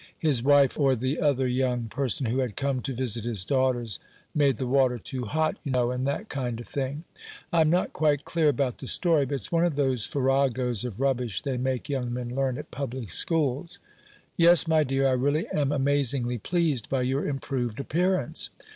His wife, or the other young person who had come to visit his daughters, made the water too hot, you know and that kind of thing. I am not quite clear about the story, but it's one of those farragos of rubbish they make young men learn at public schools. Yes, my dear, I really am amazingly pleased by your improved appearance.